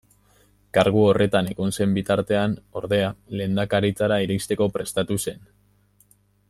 Kargu horretan egon zen bitartean, ordea, lehendakaritzara iristeko prestatu zen.